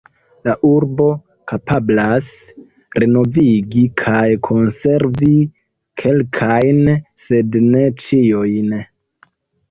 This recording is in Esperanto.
La urbo kapablas renovigi kaj konservi kelkajn, sed ne ĉiujn.